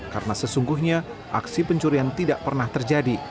karena sesungguhnya aksi pencurian tidak pernah terjadi